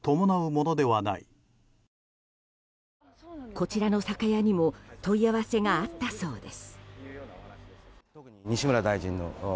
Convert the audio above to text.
こちらの酒屋にも問い合わせがあったそうです。